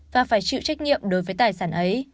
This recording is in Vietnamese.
và phải chịu trách nhiệm đối với tài sản ấy